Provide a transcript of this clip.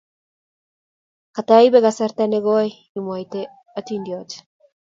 kataibe kasarta ne koi imwaite hatindiot